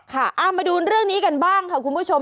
ค่ะเอามาดูเรื่องนี้กันบ้างค่ะคุณผู้ชม